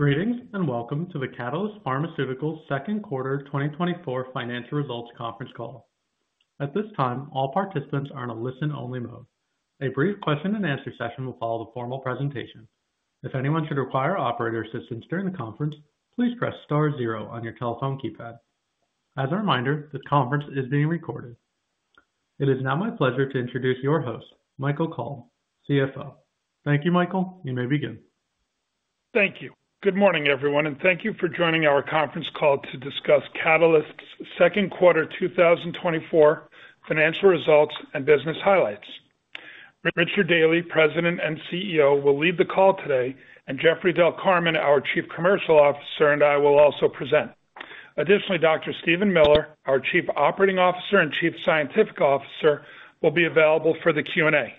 Greetings, and welcome to the Catalyst Pharmaceuticals second quarter 2024 financial results conference call. At this time, all participants are in a listen-only mode. A brief question and answer session will follow the formal presentation. If anyone should require operator assistance during the conference, please press star zero on your telephone keypad. As a reminder, this conference is being recorded. It is now my pleasure to introduce your host, Michael Kalb, CFO. Thank you, Michael. You may begin. Thank you. Good morning, everyone, and thank you for joining our conference call to discuss Catalyst's second quarter 2024 financial results and business highlights. Richard Daly, President and CEO, will lead the call today, and Jeffrey Del Carmen, our Chief Commercial Officer, and I will also present. Additionally, Dr. Steven Miller, our Chief Operating Officer and Chief Scientific Officer, will be available for the Q&A.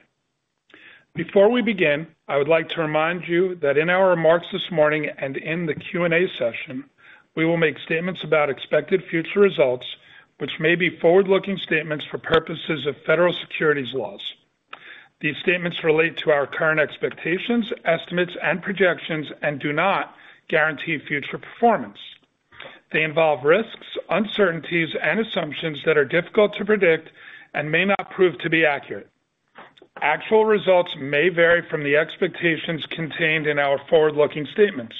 Before we begin, I would like to remind you that in our remarks this morning and in the Q&A session, we will make statements about expected future results, which may be forward-looking statements for purposes of federal securities laws. These statements relate to our current expectations, estimates, and projections and do not guarantee future performance. They involve risks, uncertainties, and assumptions that are difficult to predict and may not prove to be accurate. Actual results may vary from the expectations contained in our forward-looking statements.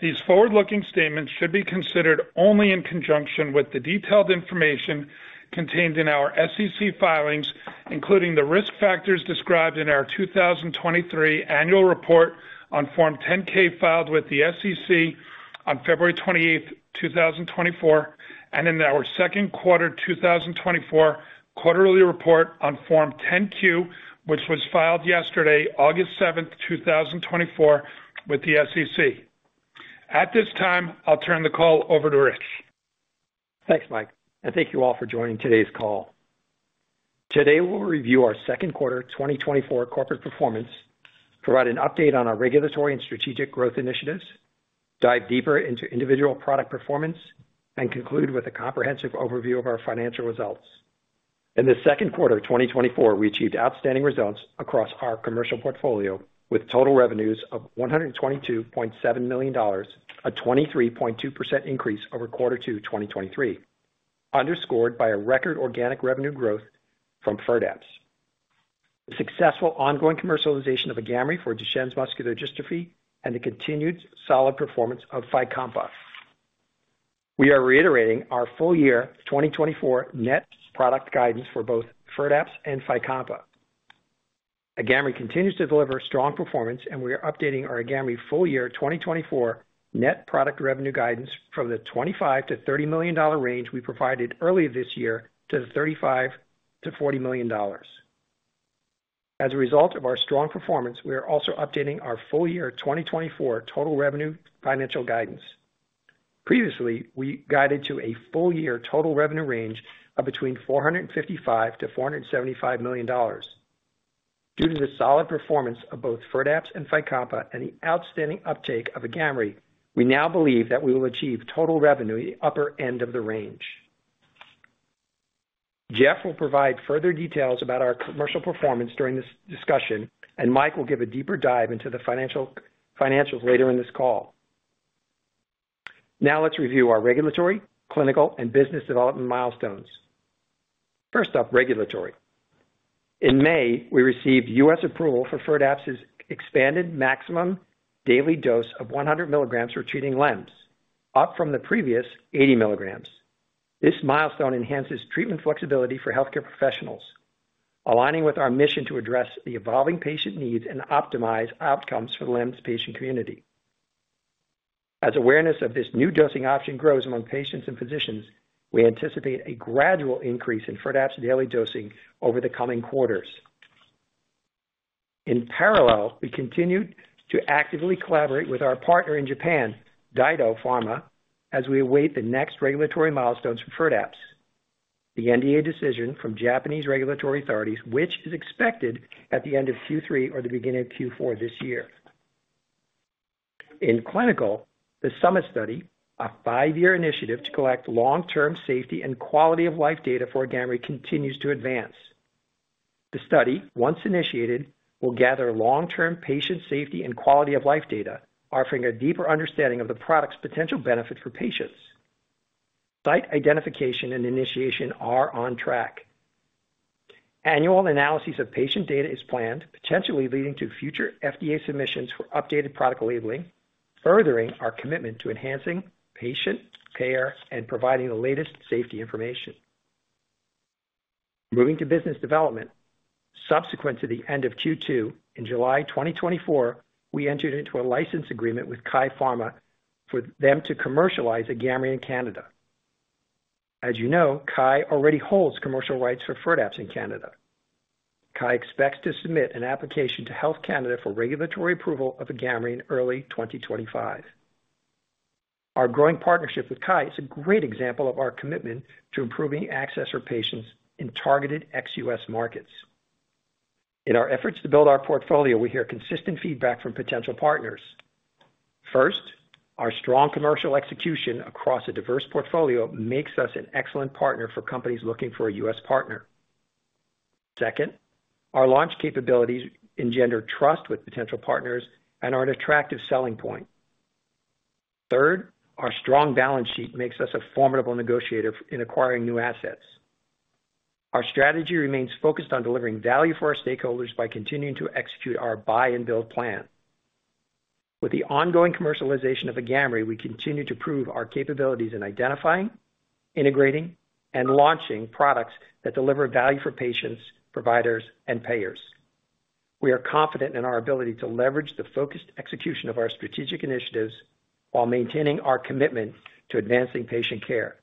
These forward-looking statements should be considered only in conjunction with the detailed information contained in our SEC filings, including the risk factors described in our 2023 annual report on Form 10-K, filed with the SEC on February 28, 2024, and in our second quarter 2024 quarterly report on Form 10-Q, which was filed yesterday, August 7, 2024, with the SEC. At this time, I'll turn the call over to Rich. Thanks, Mike, and thank you all for joining today's call. Today, we'll review our second quarter 2024 corporate performance, provide an update on our regulatory and strategic growth initiatives, dive deeper into individual product performance, and conclude with a comprehensive overview of our financial results. In the second quarter of 2024, we achieved outstanding results across our commercial portfolio, with total revenues of $122.7 million, a 23.2% increase over quarter two, 2023, underscored by a record organic revenue growth from Firdapse, the successful ongoing commercialization of Agamree for Duchenne muscular dystrophy, and the continued solid performance of Fycompa. We are reiterating our full-year 2024 net product guidance for both Firdapse and Fycompa. Agamree continues to deliver strong performance, and we are updating our Agamree full-year 2024 net product revenue guidance from the $25 million-$30 million range we provided earlier this year to $35 million-$40 million. As a result of our strong performance, we are also updating our full-year 2024 total revenue financial guidance. Previously, we guided to a full-year total revenue range of between $455 million-$475 million. Due to the solid performance of both Firdapse and Fycompa and the outstanding uptake of Agamree, we now believe that we will achieve total revenue at the upper end of the range. Jeff will provide further details about our commercial performance during this discussion, and Mike will give a deeper dive into the financials later in this call. Now, let's review our regulatory, clinical, and business development milestones. First up, regulatory. In May, we received U.S. approval for Firdapse's expanded maximum daily dose of 100 mg for treating LEMS, up from the previous 80 mg. This milestone enhances treatment flexibility for healthcare professionals, aligning with our mission to address the evolving patient needs and optimize outcomes for the LEMS patient community. As awareness of this new dosing option grows among patients and physicians, we anticipate a gradual increase in Firdapse daily dosing over the coming quarters. In parallel, we continued to actively collaborate with our partner in Japan, DyDo Pharma, as we await the next regulatory milestones for Firdapse, the NDA decision from Japanese regulatory authorities, which is expected at the end of Q3 or the beginning of Q4 this year. In clinical, the Summit Study, a five-year initiative to collect long-term safety and quality-of-life data for Agamree, continues to advance. The study, once initiated, will gather long-term patient safety and quality-of-life data, offering a deeper understanding of the product's potential benefits for patients. Site identification and initiation are on track. Annual analyses of patient data is planned, potentially leading to future FDA submissions for updated product labeling, furthering our commitment to enhancing patient care and providing the latest safety information. Moving to business development. Subsequent to the end of Q2, in July 2024, we entered into a license agreement with Kye Pharmaceuticals for them to commercialize Agamree in Canada. As you know, Kye already holds commercial rights for Firdapse in Canada. Kye expects to submit an application to Health Canada for regulatory approval of Agamree in early 2025. Our growing partnership with Kye is a great example of our commitment to improving access for patients in targeted ex-U.S. markets. In our efforts to build our portfolio, we hear consistent feedback from potential partners. First, our strong commercial execution across a diverse portfolio makes us an excellent partner for companies looking for a U.S. partner.... Second, our launch capabilities engender trust with potential partners and are an attractive selling point. Third, our strong balance sheet makes us a formidable negotiator in acquiring new assets. Our strategy remains focused on delivering value for our stakeholders by continuing to execute our buy and build plan. With the ongoing commercialization of Agamree, we continue to prove our capabilities in identifying, integrating, and launching products that deliver value for patients, providers, and payers. We are confident in our ability to leverage the focused execution of our strategic initiatives while maintaining our commitment to advancing patient care,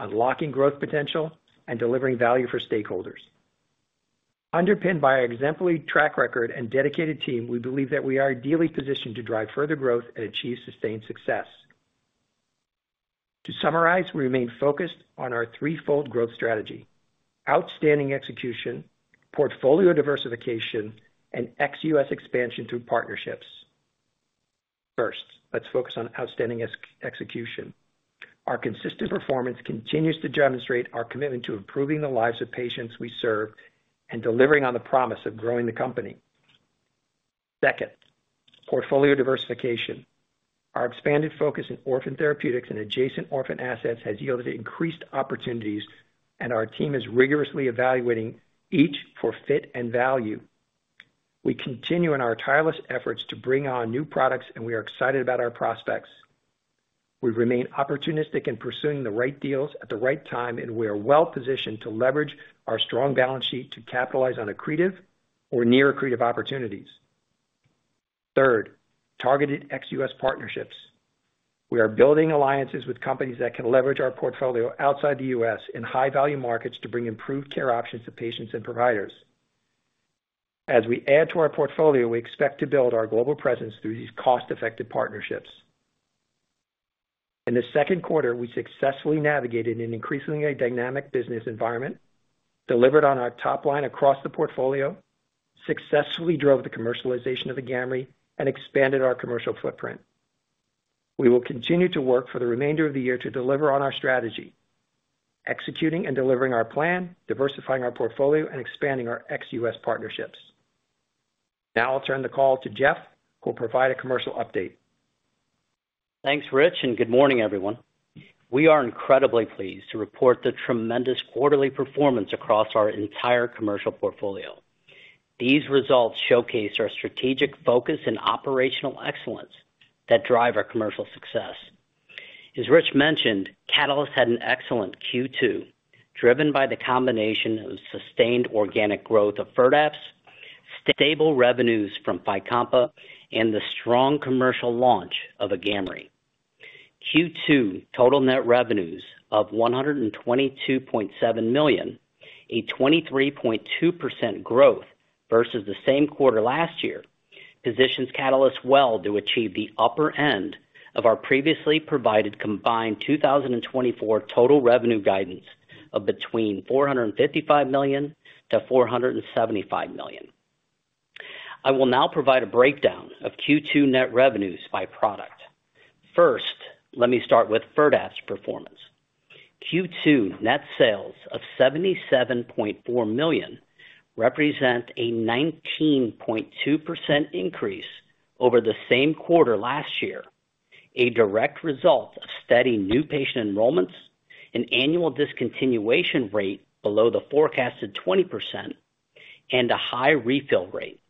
unlocking growth potential, and delivering value for stakeholders. Underpinned by our exemplary track record and dedicated team, we believe that we are ideally positioned to drive further growth and achieve sustained success. To summarize, we remain focused on our threefold growth strategy: outstanding execution, portfolio diversification, and ex-U.S. expansion through partnerships. First, let's focus on outstanding execution. Our consistent performance continues to demonstrate our commitment to improving the lives of patients we serve and delivering on the promise of growing the company. Second, portfolio diversification. Our expanded focus in orphan therapeutics and adjacent orphan assets has yielded increased opportunities, and our team is rigorously evaluating each for fit and value. We continue in our tireless efforts to bring on new products, and we are excited about our prospects. We remain opportunistic in pursuing the right deals at the right time, and we are well positioned to leverage our strong balance sheet to capitalize on accretive or near accretive opportunities. Third, targeted ex-U.S. partnerships. We are building alliances with companies that can leverage our portfolio outside the U.S. in high-value markets to bring improved care options to patients and providers. As we add to our portfolio, we expect to build our global presence through these cost-effective partnerships. In the second quarter, we successfully navigated an increasingly dynamic business environment, delivered on our top line across the portfolio, successfully drove the commercialization of Agamree, and expanded our commercial footprint. We will continue to work for the remainder of the year to deliver on our strategy, executing and delivering our plan, diversifying our portfolio, and expanding our ex-U.S. partnerships. Now I'll turn the call to Jeff, who will provide a commercial update. Thanks, Rich, and good morning, everyone. We are incredibly pleased to report the tremendous quarterly performance across our entire commercial portfolio. These results showcase our strategic focus and operational excellence that drive our commercial success. As Rich mentioned, Catalyst had an excellent Q2, driven by the combination of sustained organic growth of Firdapse, stable revenues from Fycompa, and the strong commercial launch of Agamree. Q2 total net revenues of $122.7 million, a 23.2% growth versus the same quarter last year, positions Catalyst well to achieve the upper end of our previously provided combined 2024 total revenue guidance of between $455 million-$475 million. I will now provide a breakdown of Q2 net revenues by product. First, let me start with Firdapse performance. Q2 net sales of $77.4 million represent a 19.2% increase over the same quarter last year, a direct result of steady new patient enrollments, an annual discontinuation rate below the forecasted 20%, and a high refill rate.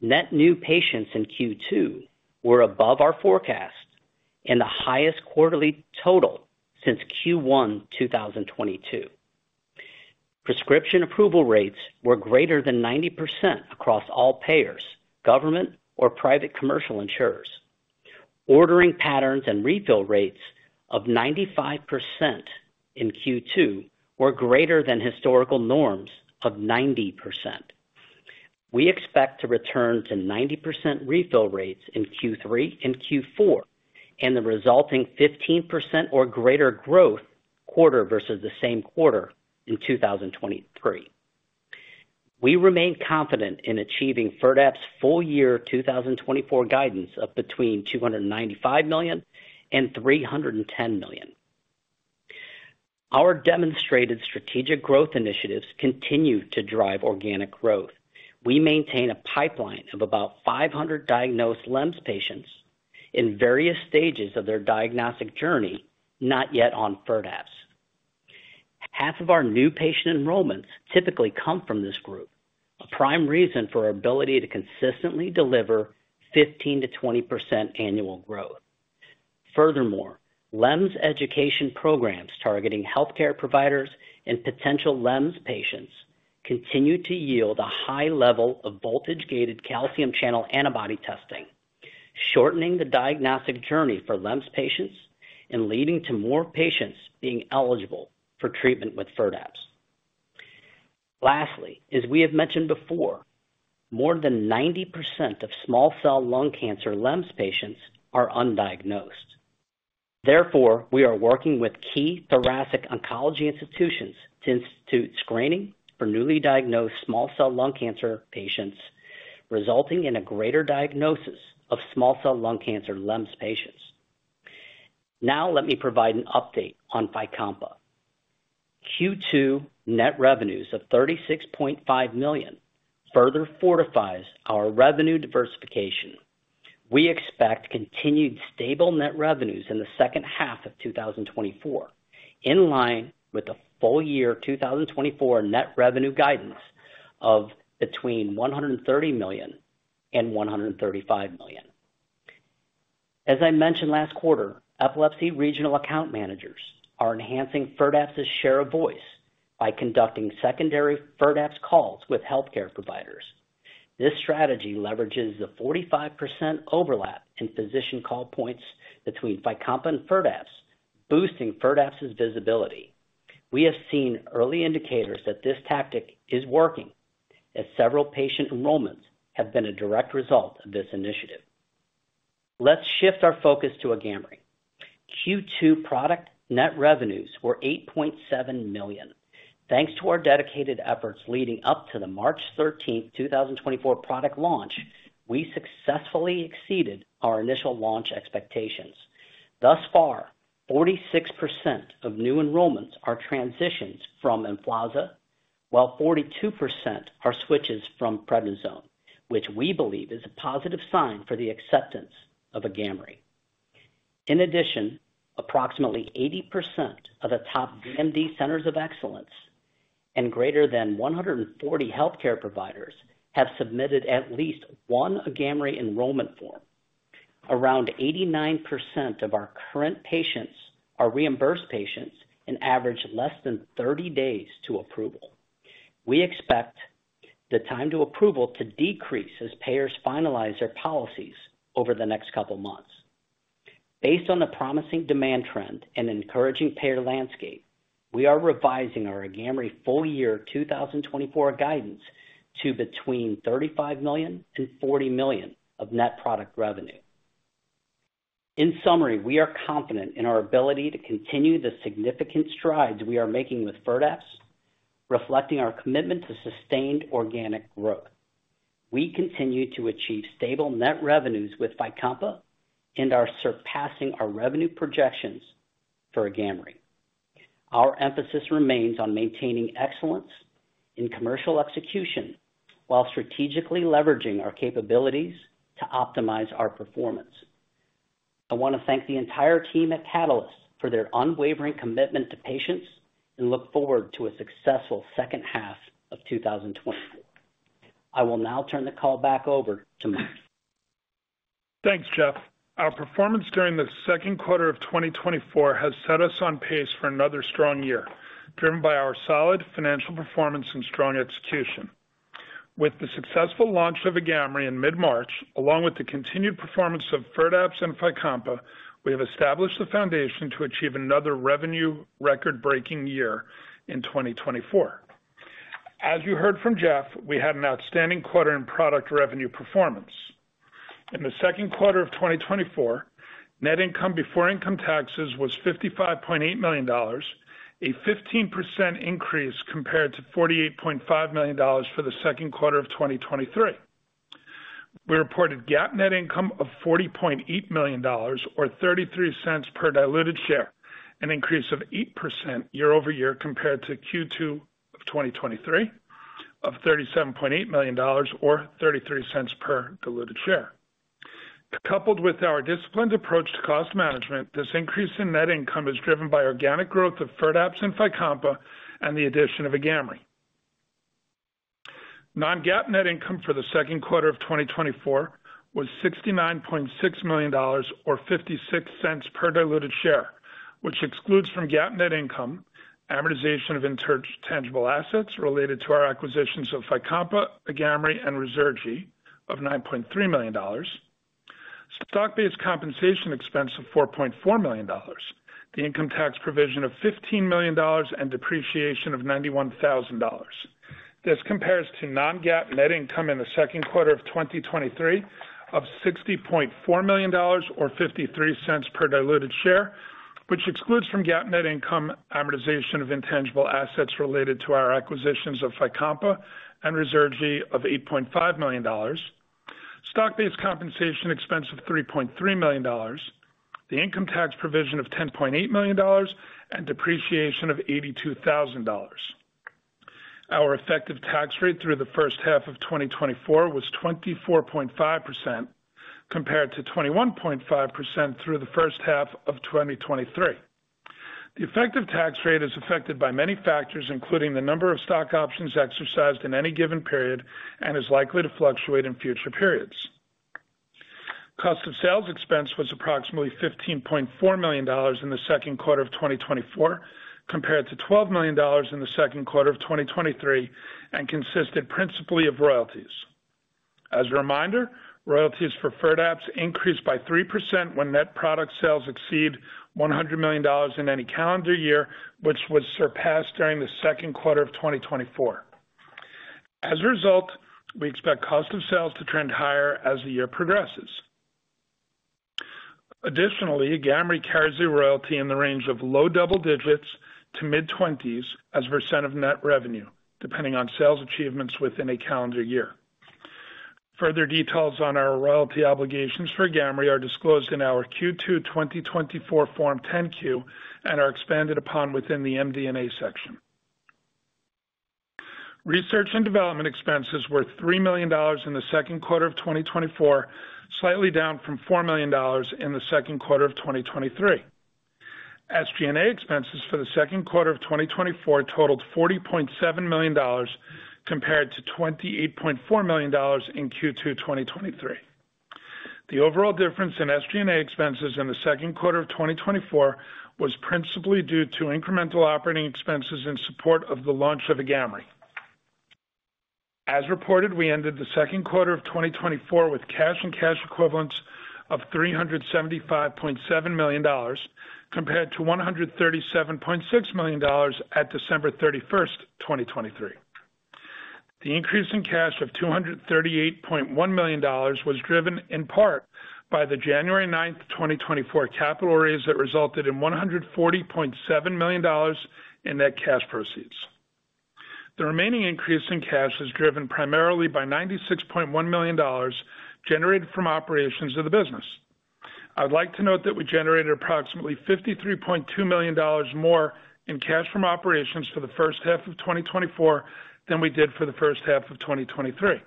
Net new patients in Q2 were above our forecast and the highest quarterly total since Q1 2022. Prescription approval rates were greater than 90% across all payers, government or private commercial insurers. Ordering patterns and refill rates of 95% in Q2 were greater than historical norms of 90%. We expect to return to 90% refill rates in Q3 and Q4, and the resulting 15% or greater growth quarter versus the same quarter in 2023. We remain confident in achieving Firdapse's full-year 2024 guidance of between $295 million and $310 million. Our demonstrated strategic growth initiatives continue to drive organic growth. We maintain a pipeline of about 500 diagnosed LEMS patients in various stages of their diagnostic journey, not yet on Firdapse. Half of our new patient enrollments typically come from this group, a prime reason for our ability to consistently deliver 15%-20% annual growth. Furthermore, LEMS education programs targeting healthcare providers and potential LEMS patients continue to yield a high level of voltage-gated calcium channel antibody testing, shortening the diagnostic journey for LEMS patients and leading to more patients being eligible for treatment with Firdapse. Lastly, as we have mentioned before, more than 90% of small cell lung cancer LEMS patients are undiagnosed. Therefore, we are working with key thoracic oncology institutions to institute screening for newly diagnosed small cell lung cancer patients, resulting in a greater diagnosis of small cell lung cancer LEMS patients. Now let me provide an update on Fycompa. Q2 net revenues of $36.5 million further fortifies our revenue diversification. We expect continued stable net revenues in the second half of 2024, in line with the full-year 2024 net revenue guidance of between $130 million and $135 million. As I mentioned last quarter, epilepsy regional account managers are enhancing Firdapse's share of voice by conducting secondary Firdapse calls with healthcare providers. This strategy leverages the 45% overlap in physician call points between Fycompa and Firdapse, boosting Firdapse's visibility. We have seen early indicators that this tactic is working, as several patient enrollments have been a direct result of this initiative. Let's shift our focus to Agamree. Q2 product net revenues were $8.7 million. Thanks to our dedicated efforts leading up to the March 13, 2024 product launch, we successfully exceeded our initial launch expectations. Thus far, 46% of new enrollments are transitions from Emflaza, while 42% are switches from prednisone, which we believe is a positive sign for the acceptance of Agamree. In addition, approximately 80% of the top DMD centers of excellence and greater than 140 healthcare providers have submitted at least one Agamree enrollment form. Around 89% of our current patients are reimbursed patients and average less than 30 days to approval. We expect the time to approval to decrease as payers finalize their policies over the next couple of months. Based on the promising demand trend and encouraging payer landscape, we are revising our Agamree full-year 2024 guidance to between $35 million-$40 million of net product revenue. In summary, we are confident in our ability to continue the significant strides we are making with Firdapse, reflecting our commitment to sustained organic growth. We continue to achieve stable net revenues with Fycompa and are surpassing our revenue projections for Agamree. Our emphasis remains on maintaining excellence in commercial execution, while strategically leveraging our capabilities to optimize our performance. I want to thank the entire team at Catalyst for their unwavering commitment to patients and look forward to a successful second half of 2024. I will now turn the call back over to Mike. Thanks, Jeff. Our performance during the second quarter of 2024 has set us on pace for another strong year, driven by our solid financial performance and strong execution. With the successful launch of Agamree in mid-March, along with the continued performance of Firdapse and Fycompa, we have established the foundation to achieve another revenue record-breaking year in 2024. As you heard from Jeff, we had an outstanding quarter in product revenue performance. In the second quarter of 2024, net income before income taxes was $55.8 million, a 15% increase compared to $48.5 million for the second quarter of 2023. We reported GAAP net income of $40.8 million, or $0.33 per diluted share, an increase of 8% year-over-year compared to Q2 of 2023 of $37.8 million, or $0.33 per diluted share. Coupled with our disciplined approach to cost management, this increase in net income is driven by organic growth of Firdapse and Fycompa and the addition of Agamree. Non-GAAP net income for the second quarter of 2024 was $69.6 million or $0.56 per diluted share, which excludes from GAAP net income, amortization of intangible assets related to our acquisitions of Fycompa, Agamree, and Ruzurgi of $9.3 million, stock-based compensation expense of $4.4 million, the income tax provision of $15 million, and depreciation of $91,000. This compares to non-GAAP net income in the second quarter of 2023 of $60.4 million or $0.53 per diluted share, which excludes from GAAP net income, amortization of intangible assets related to our acquisitions of Fycompa and Ruzurgi of $8.5 million, stock-based compensation expense of $3.3 million, the income tax provision of $10.8 million, and depreciation of $82,000. Our effective tax rate through the first half of 2024 was 24.5%, compared to 21.5% through the first half of 2023. The effective tax rate is affected by many factors, including the number of stock options exercised in any given period, and is likely to fluctuate in future periods. Cost of sales expense was approximately $15.4 million in the second quarter of 2024, compared to $12 million in the second quarter of 2023, and consisted principally of royalties. As a reminder, royalties for Firdapse increased by 3% when net product sales exceed $100 million in any calendar year, which was surpassed during the second quarter of 2024. As a result, we expect cost of sales to trend higher as the year progresses. Additionally, Agamree carries a royalty in the range of low double digits to mid-twenties as a % of net revenue, depending on sales achievements within a calendar year. Further details on our royalty obligations for Agamree are disclosed in our Q2 2024 Form 10-Q and are expanded upon within the MD&A section. Research and development expenses were $3 million in the second quarter of 2024, slightly down from $4 million in the second quarter of 2023. SG&A expenses for the second quarter of 2024 totaled $40.7 million compared to $28.4 million in Q2 2023. The overall difference in SG&A expenses in the second quarter of 2024 was principally due to incremental operating expenses in support of the launch of Agamree. As reported, we ended the second quarter of 2024 with cash and cash equivalents of $375.7 million, compared to $137.6 million at December 31st, 2023. The increase in cash of $238.1 million was driven in part by the January 9th, 2024 capital raise that resulted in $140.7 million in net cash proceeds. The remaining increase in cash is driven primarily by $96.1 million generated from operations of the business. I'd like to note that we generated approximately $53.2 million more in cash from operations for the first half of 2024 than we did for the first half of 2023.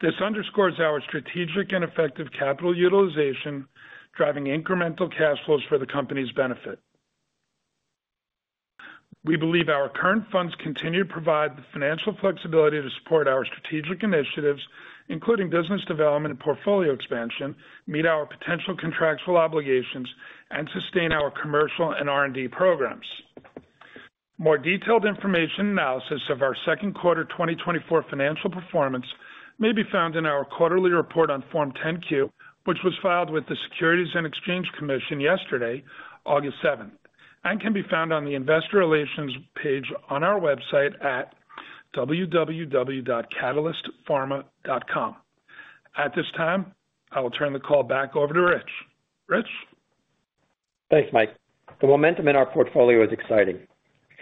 This underscores our strategic and effective capital utilization, driving incremental cash flows for the company's benefit. We believe our current funds continue to provide the financial flexibility to support our strategic initiatives, including business development and portfolio expansion, meet our potential contractual obligations, and sustain our commercial and R&D programs. More detailed information analysis of our second quarter 2024 financial performance may be found in our quarterly report on Form 10-Q, which was filed with the Securities and Exchange Commission yesterday, August 7th, and can be found on the Investor Relations page on our website at www.catalystpharma.com. At this time, I will turn the call back over to Rich. Rich? Thanks, Mike. The momentum in our portfolio is exciting.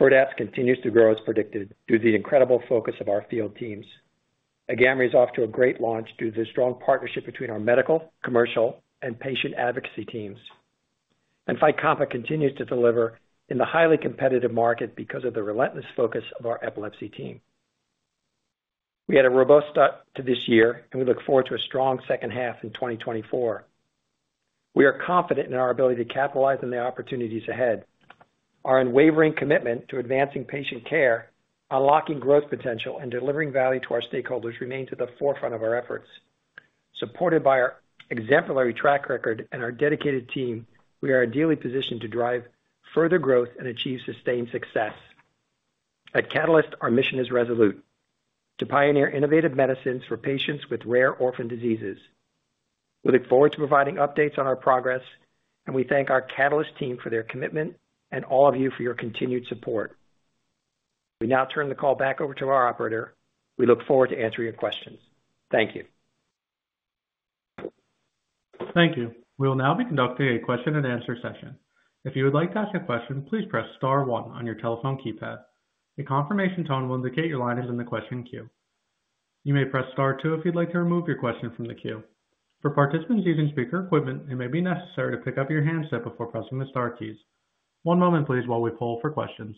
Firdapse continues to grow as predicted due to the incredible focus of our field teams. Agamree is off to a great launch due to the strong partnership between our medical, commercial, and patient advocacy teams. Fycompa continues to deliver in the highly competitive market because of the relentless focus of our epilepsy team. We had a robust start to this year, and we look forward to a strong second half in 2024. We are confident in our ability to capitalize on the opportunities ahead. Our unwavering commitment to advancing patient care, unlocking growth potential, and delivering value to our stakeholders remain to the forefront of our efforts. Supported by our exemplary track record and our dedicated team, we are ideally positioned to drive further growth and achieve sustained success. At Catalyst, our mission is resolute: to pioneer innovative medicines for patients with rare orphan diseases. We look forward to providing updates on our progress, and we thank our Catalyst team for their commitment and all of you for your continued support. We now turn the call back over to our operator. We look forward to answering your questions. Thank you. Thank you. We will now be conducting a question-and-answer session. If you would like to ask a question, please press star one on your telephone keypad. A confirmation tone will indicate your line is in the question queue. You may press star two if you'd like to remove your question from the queue. For participants using speaker equipment, it may be necessary to pick up your handset before pressing the star keys. One moment please, while we poll for questions.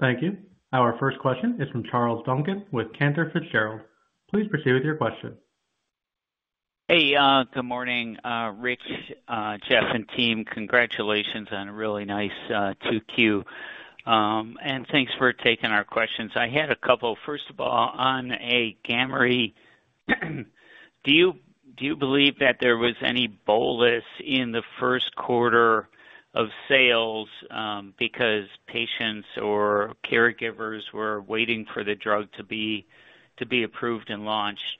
Thank you. Our first question is from Charles Duncan with Cantor Fitzgerald. Please proceed with your question. Hey, good morning, Rich, Jeff, and team. Congratulations on a really nice 2Q. Thanks for taking our questions. I had a couple. First of all, on Agamree, do you, do you believe that there was any bolus in the first quarter of sales, because patients or caregivers were waiting for the drug to be, to be approved and launched?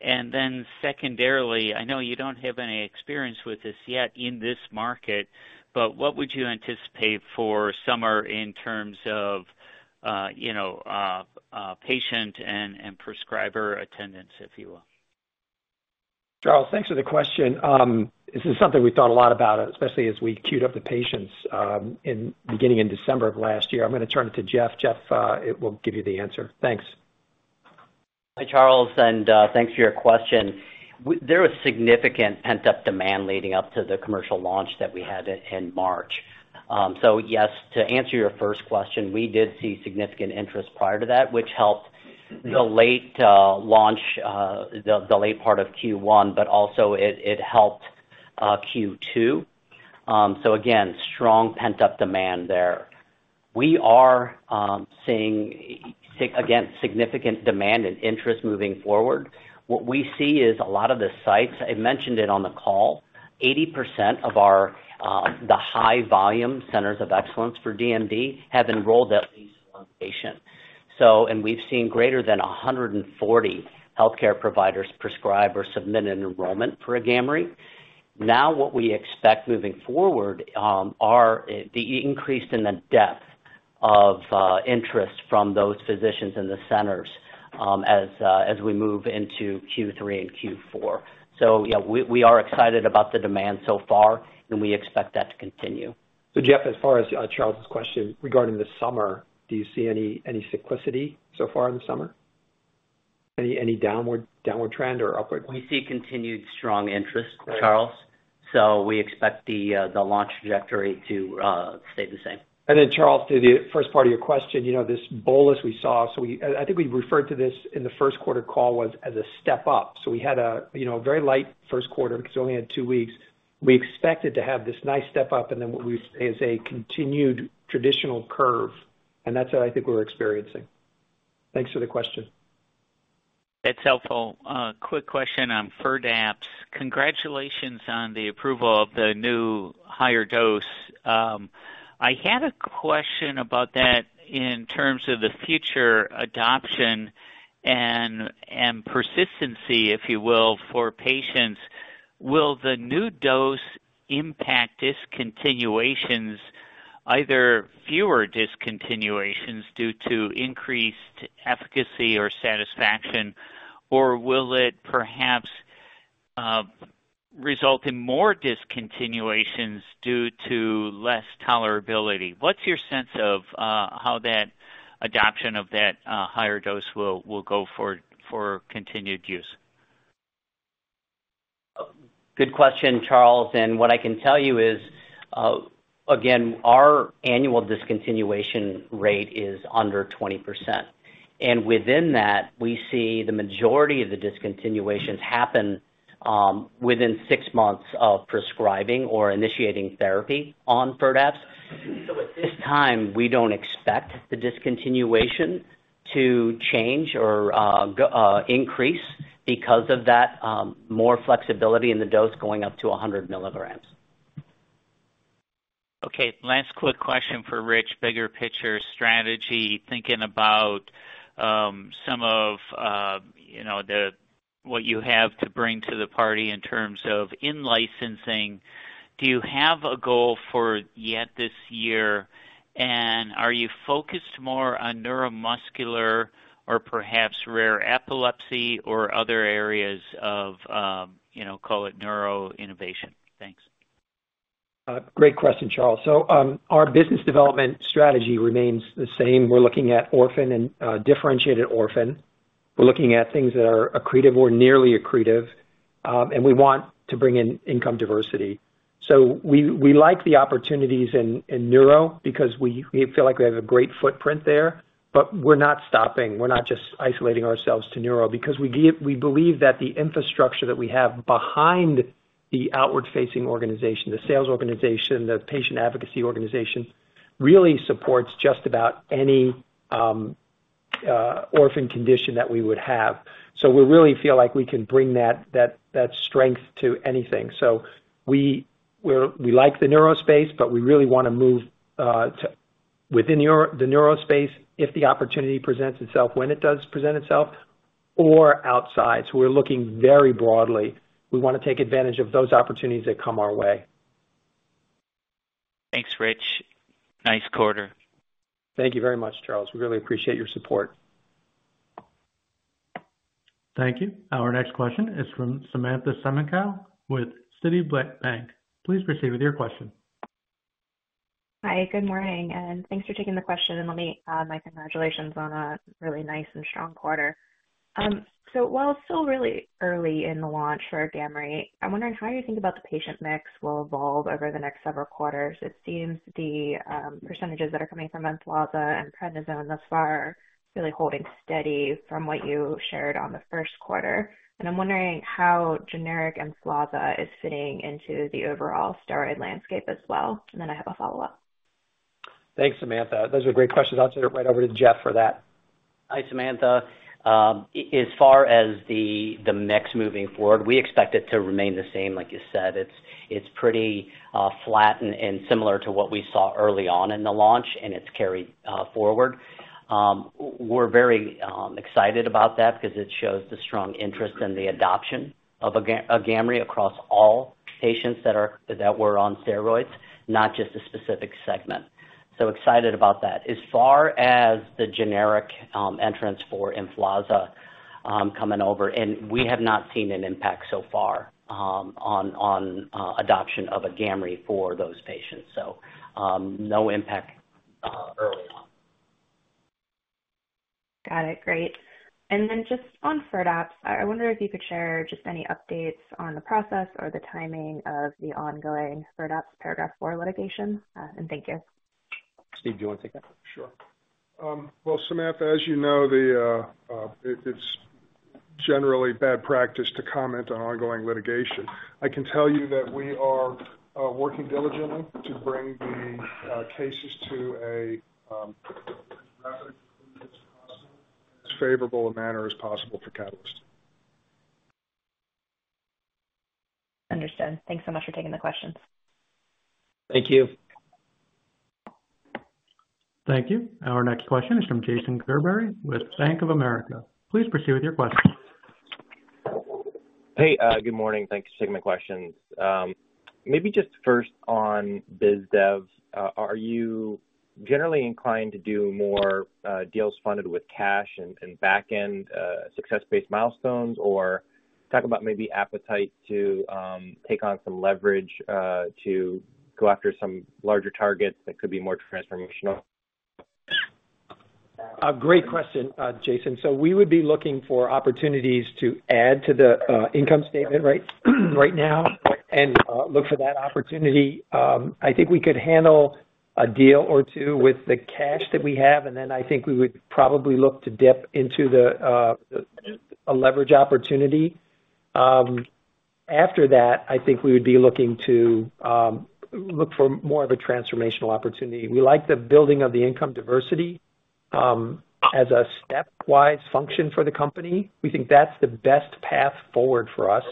And then secondarily, I know you don't have any experience with this yet in this market, but what would you anticipate for summer in terms of, you know, patient and, and prescriber attendance, if you will? Charles, thanks for the question. This is something we've thought a lot about, especially as we cued up the patients beginning in December of last year. I'm gonna turn it to Jeff. Jeff will give you the answer. Thanks. Hi, Charles, and thanks for your question. There was significant pent-up demand leading up to the commercial launch that we had in March. So yes, to answer your first question, we did see significant interest prior to that, which helped the late launch, the late part of Q1, but also it helped Q2. So again, strong pent-up demand there. We are seeing significant demand and interest moving forward. What we see is a lot of the sites. I mentioned it on the call, 80% of our the high volume centers of excellence for DMD have enrolled at least one patient. So and we've seen greater than 140 healthcare providers prescribe or submit an enrollment for Agamree. Now, what we expect moving forward are the increase in the depth of interest from those physicians in the centers, as we move into Q3 and Q4. So yeah, we are excited about the demand so far, and we expect that to continue. So, Jeff, as far as Charles's question regarding the summer, do you see any cyclicality so far in the summer? Any downward trend or upward? We see continued strong interest, Charles. So we expect the launch trajectory to stay the same. And then, Charles, to the first part of your question, you know, this bolus we saw, so we—I think we referred to this in the first quarter call—was as a step up. So we had a, you know, very light first quarter because we only had two weeks. We expected to have this nice step up and then what we as a continued traditional curve, and that's what I think we're experiencing. Thanks for the question. That's helpful. Quick question on Firdapse. Congratulations on the approval of the new higher dose. I had a question about that in terms of the future adoption and persistency, if you will, for patients. Will the new dose impact discontinuations, either fewer discontinuations due to increased efficacy or satisfaction, or will it perhaps result in more discontinuations due to less tolerability? What's your sense of how that adoption of that higher dose will go for continued use? Good question, Charles. And what I can tell you is, again, our annual discontinuation rate is under 20%. And within that, we see the majority of the discontinuations happen within six months of prescribing or initiating therapy on Firdapse. So at this time, we don't expect the discontinuation to change or increase because of that more flexibility in the dose going up to 100 mg. Okay, last quick question for Rich. Bigger picture strategy, thinking about, some of, you know, the, what you have to bring to the party in terms of in-licensing. Do you have a goal for yet this year? And are you focused more on neuromuscular or perhaps rare epilepsy or other areas of, you know, call it neuro innovation? Thanks. Great question, Charles. So, our business development strategy remains the same. We're looking at orphan and differentiated orphan. We're looking at things that are accretive or nearly accretive, and we want to bring in income diversity. So we, we like the opportunities in, in neuro because we, we feel like we have a great footprint there, but we're not stopping. We're not just isolating ourselves to neuro because we believe that the infrastructure that we have behind the outward-facing organization, the sales organization, the patient advocacy organization, really supports just about any orphan condition that we would have. So we really feel like we can bring that, that, that strength to anything. So we like the neuro space, but we really want to move to within the neuro space, if the opportunity presents itself, when it does present itself or outside. So we're looking very broadly. We want to take advantage of those opportunities that come our way. Thanks, Rich. Nice quarter. Thank you very much, Charles. We really appreciate your support. Thank you. Our next question is from Samantha Semenkow with Citi. Please proceed with your question. Hi, good morning, and thanks for taking the question. And let me add my congratulations on a really nice and strong quarter. So while it's still really early in the launch for Agamree, I'm wondering how you think about the patient mix will evolve over the next several quarters. It seems the percentages that are coming from Emflaza and prednisone thus far are really holding steady from what you shared on the first quarter. And I'm wondering how generic Emflaza is fitting into the overall steroid landscape as well. And then I have a follow-up. Thanks, Samantha. Those are great questions. I'll turn it right over to Jeff for that. Hi, Samantha. As far as the mix moving forward, we expect it to remain the same. Like you said, it's pretty flat and similar to what we saw early on in the launch, and it's carried forward. We're very excited about that because it shows the strong interest and the adoption of Agamree across all patients that were on steroids, not just a specific segment. So excited about that. As far as the generic entrance for Emflaza coming over, and we have not seen an impact so far on adoption of Agamree for those patients. So, no impact early on. Got it. Great. And then just on Firdapse, I wonder if you could share just any updates on the process or the timing of the ongoing Firdapse Paragraph IV litigation. And thank you. Steve, do you want to take that? Sure. Well, Samantha, as you know, it's generally bad practice to comment on ongoing litigation. I can tell you that we are working diligently to bring the cases to as favorable a manner as possible for Catalyst. Understood. Thanks so much for taking the questions. Thank you. Thank you. Our next question is from Jason Gerberry with Bank of America. Please proceed with your question. Hey, good morning. Thanks for taking my questions. Maybe just first on biz dev, are you generally inclined to do more deals funded with cash and back-end success-based milestones? Or talk about maybe appetite to take on some leverage to go after some larger targets that could be more transformational? ... A great question, Jason. So we would be looking for opportunities to add to the, income statement right, right now, and, look for that opportunity. I think we could handle a deal or two with the cash that we have, and then I think we would probably look to dip into the, a leverage opportunity. After that, I think we would be looking to, look for more of a transformational opportunity. We like the building of the income diversity, as a stepwise function for the company. We think that's the best path forward for us.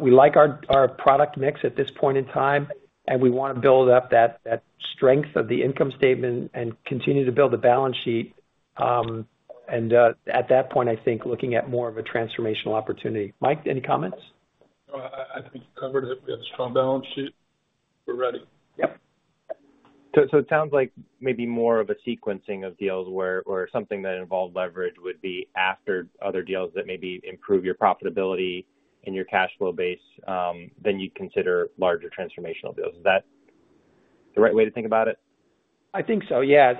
We like our, our product mix at this point in time, and we wanna build up that, that strength of the income statement and continue to build the balance sheet. And, at that point, I think looking at more of a transformational opportunity. Mike, any comments? No, I think you covered it. We have a strong balance sheet. We're ready. Yep. So, it sounds like maybe more of a sequencing of deals where, or something that involved leverage would be after other deals that maybe improve your profitability and your cash flow base, then you'd consider larger transformational deals. Is that the right way to think about it? I think so, yeah.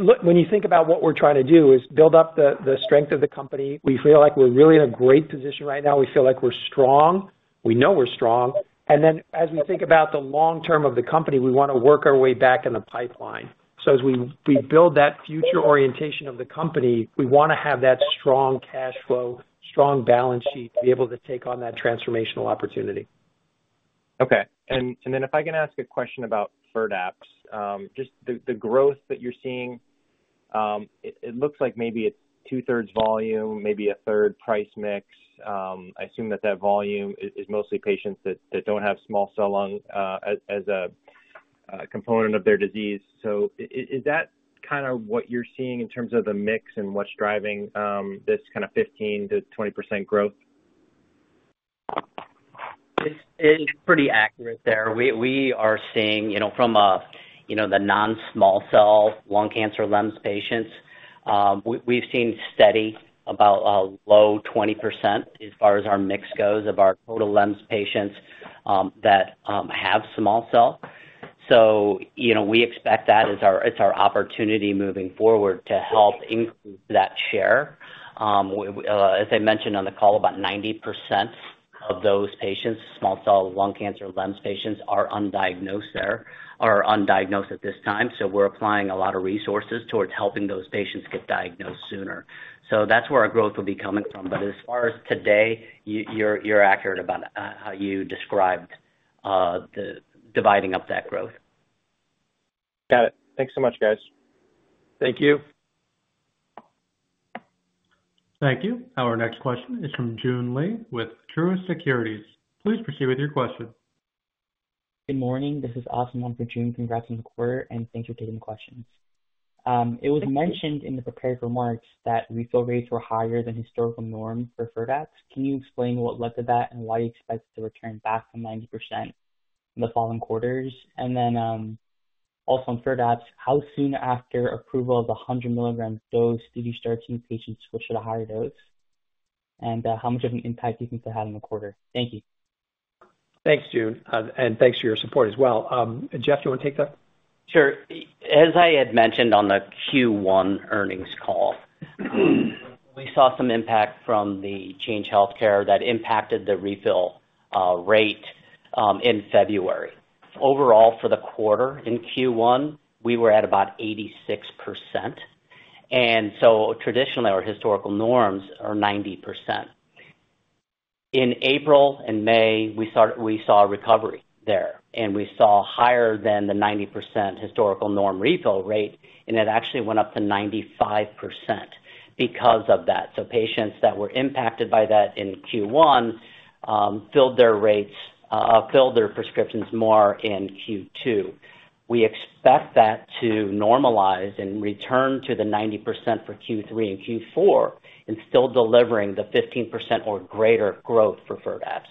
Look, when you think about what we're trying to do is build up the strength of the company. We feel like we're really in a great position right now. We feel like we're strong. We know we're strong. And then, as we think about the long term of the company, we wanna work our way back in the pipeline. So as we build that future orientation of the company, we wanna have that strong cash flow, strong balance sheet to be able to take on that transformational opportunity. Okay. And then if I can ask a question about Firdapse. Just the growth that you're seeing, it looks like maybe it's two-thirds volume, maybe a third price mix. I assume that volume is mostly patients that don't have small cell lung as a component of their disease. So is that kind of what you're seeing in terms of the mix and what's driving this kind of 15%-20% growth? It's pretty accurate there. We are seeing, you know, from, you know, the non-small cell lung cancer LEMS patients, we've seen steady about a low 20% as far as our mix goes of our total LEMS patients, that have small cell. So, you know, we expect that it's our opportunity moving forward to help increase that share. As I mentioned on the call, about 90% of those patients, small cell lung cancer LEMS patients, are undiagnosed there, or are undiagnosed at this time. So we're applying a lot of resources towards helping those patients get diagnosed sooner. So that's where our growth will be coming from. But as far as today, you're accurate about how you described the dividing up that growth. Got it. Thanks so much, guys. Thank you. Thank you. Our next question is from Joon Lee with Truist Securities. Please proceed with your question. Good morning. This is Austin on for Joon. Congrats on the quarter, and thanks for taking the questions. It was mentioned in the prepared remarks that refill rates were higher than historical norms for Firdapse. Can you explain what led to that and why you expect it to return back to 90% in the following quarters? And then, also on Firdapse, how soon after approval of the 100 mg dose did you start seeing patients switch to the higher dose? And, how much of an impact do you think that had on the quarter? Thank you. Thanks, Joon. Thanks for your support as well. Jeff, do you want to take that? Sure. As I had mentioned on the Q1 earnings call, we saw some impact from the Change Healthcare that impacted the refill rate in February. Overall, for the quarter in Q1, we were at about 86%, and so traditionally, our historical norms are 90%. In April and May, we saw a recovery there, and we saw higher than the 90% historical norm refill rate, and it actually went up to 95% because of that. So patients that were impacted by that in Q1 filled their prescriptions more in Q2. We expect that to normalize and return to the 90% for Q3 and Q4, and still delivering the 15% or greater growth for Firdapse.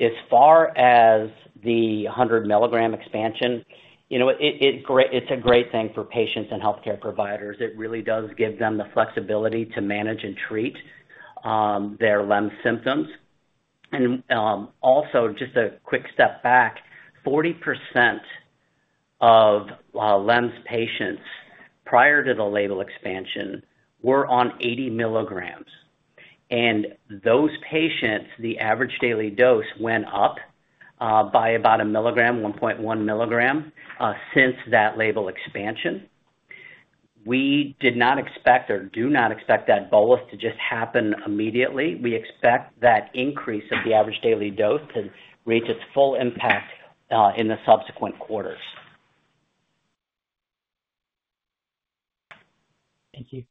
As far as the 100 mg expansion, you know, it's a great thing for patients and healthcare providers. It really does give them the flexibility to manage and treat their LEMS symptoms. Also, just a quick step back, 40% of LEMS patients prior to the label expansion were on 80 mg, and those patients, the average daily dose went up by about 1 mg, 1.1 mg, since that label expansion. We did not expect or do not expect that bolus to just happen immediately. We expect that increase of the average daily dose to reach its full impact in the subsequent quarters. Thank you.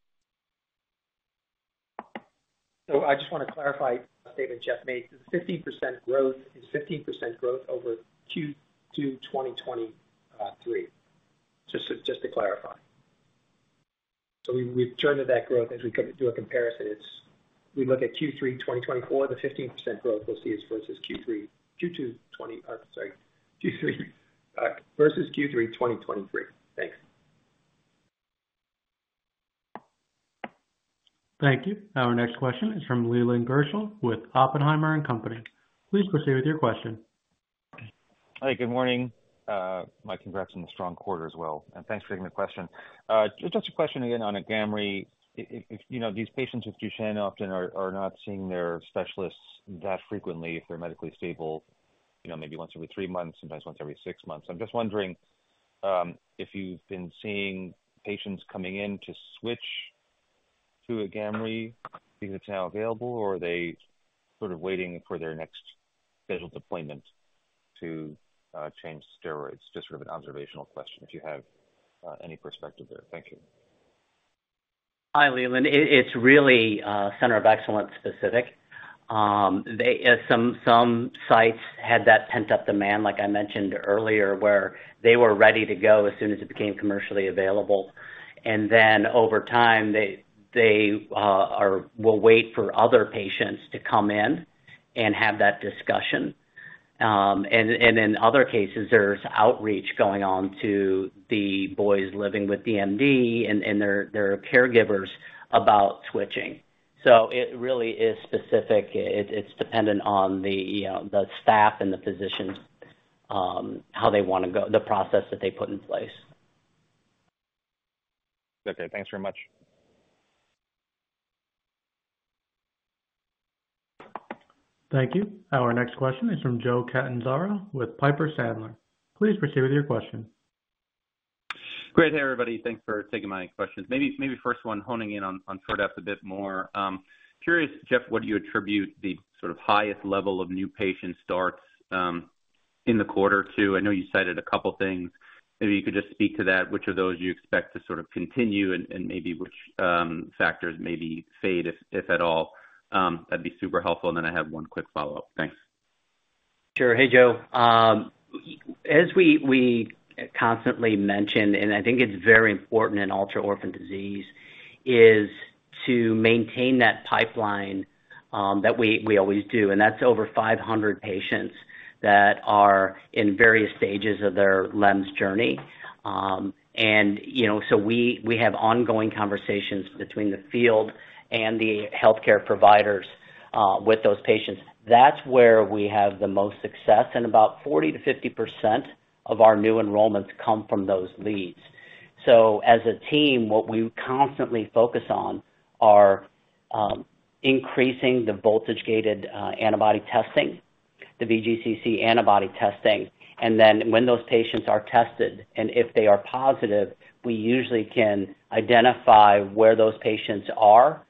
So I just want to clarify a statement Jeff made. The 15% growth is 15% growth over Q2 2023. Just to clarify. So we, we've returned to that growth as we do a comparison. It's. We look at Q3 2024, the 15% growth we'll see is versus Q3, Q2 2020, sorry, Q3, versus Q3 2023. Thanks. Thank you. Our next question is from Leland Gershell with Oppenheimer & Co.. Please proceed with your question. Hi, good morning. My congrats on the strong quarter as well, and thanks for taking the question. Just a question again on Agamree. You know, these patients with Duchenne often are not seeing their specialists that frequently if they're medically stable, you know, maybe once every three months, sometimes once every six months. I'm just wondering if you've been seeing patients coming in to switch to Agamree because it's now available, or are they sort of waiting for their next scheduled appointment to change steroids? Just sort of an observational question, if you have any perspective there. Thank you. Hi, Leland. It's really center of excellence specific. Some sites had that pent-up demand, like I mentioned earlier, where they were ready to go as soon as it became commercially available. And then over time, they will wait for other patients to come in and have that discussion. In other cases, there's outreach going on to the boys living with DMD and their caregivers about switching. So it really is specific. It's dependent on the staff and the physicians, how they wanna go, the process that they put in place. Okay, thanks very much. Thank you. Our next question is from Joe Catanzaro with Piper Sandler. Please proceed with your question. Great. Hey, everybody. Thanks for taking my questions. Maybe first one, honing in on Firdapse a bit more. Curious, Jeff, what do you attribute the sort of highest level of new patient starts in the quarter to? I know you cited a couple things. Maybe you could just speak to that, which of those you expect to sort of continue and maybe which factors maybe fade, if at all. That'd be super helpful, and then I have one quick follow-up. Thanks. Sure. Hey, Joe. As we constantly mention, and I think it's very important in ultra-orphan disease, is to maintain that pipeline that we always do, and that's over 500 patients that are in various stages of their LEMS journey. And, you know, so we have ongoing conversations between the field and the healthcare providers with those patients. That's where we have the most success, and about 40%-50% of our new enrollments come from those leads. So as a team, what we constantly focus on are increasing the voltage-gated antibody testing, the VGCC antibody testing, and then when those patients are tested and if they are positive, we usually can identify where those patients are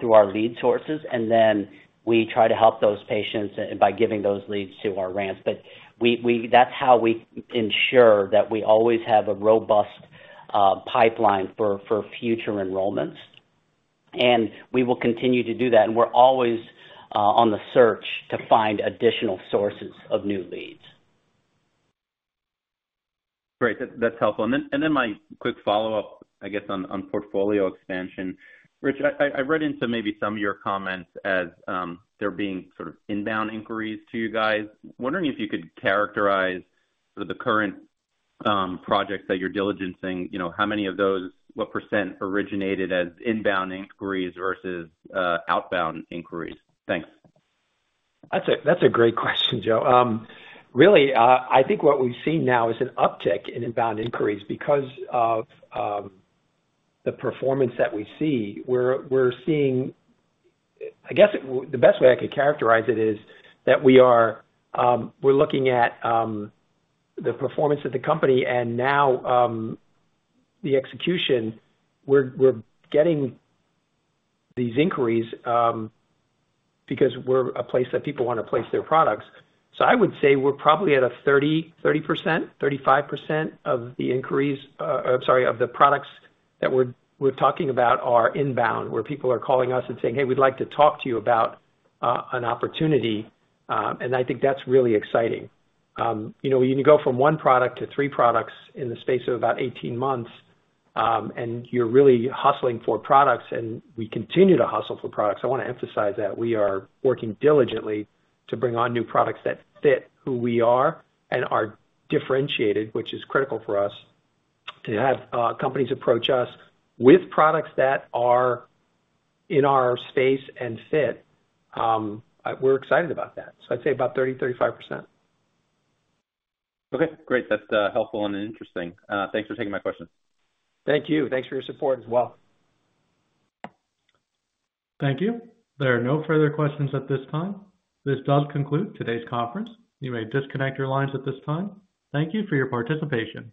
through our lead sources, and then we try to help those patients by giving those leads to our reps. That's how we ensure that we always have a robust pipeline for future enrollments. We will continue to do that, and we're always on the search to find additional sources of new leads. Great. That's helpful. And then my quick follow-up, I guess, on portfolio expansion. Rich, I read into maybe some of your comments as there being sort of inbound inquiries to you guys. Wondering if you could characterize the current projects that you're diligencing, you know, how many of those, what percent originated as inbound inquiries versus outbound inquiries? Thanks. That's a, that's a great question, Joe. Really, I think what we've seen now is an uptick in inbound inquiries because of the performance that we see. We're, we're seeing... I guess the best way I could characterize it is that we are, we're looking at the performance of the company, and now, the execution, we're, we're getting these inquiries because we're a place that people want to place their products. So I would say we're probably at a 30-35% of the inquiries, sorry, of the products that we're, we're talking about are inbound, where people are calling us and saying, "Hey, we'd like to talk to you about an opportunity." And I think that's really exciting. You know, when you go from one product to three products in the space of about 18 months, and you're really hustling for products, and we continue to hustle for products. I wanna emphasize that we are working diligently to bring on new products that fit who we are and are differentiated, which is critical for us, to have companies approach us with products that are in our space and fit. We're excited about that. So I'd say about 30%-35%. Okay, great. That's helpful and interesting. Thanks for taking my question. Thank you. Thanks for your support as well. Thank you. There are no further questions at this time. This does conclude today's conference. You may disconnect your lines at this time. Thank you for your participation.